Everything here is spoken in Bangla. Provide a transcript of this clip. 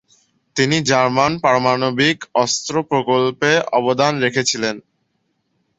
তিনি জার্মান পারমাণবিক অস্ত্র প্রকল্পে অবদান রেখেছেন।